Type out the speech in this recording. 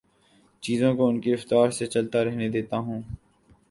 چیزوں کو ان کی رفتار سے چلتا رہنے دیتا ہوں